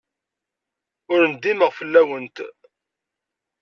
Ur ndimeɣ fell-awent.